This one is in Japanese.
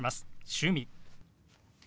「趣味」。